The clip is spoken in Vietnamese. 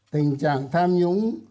tình trạng tham nhũng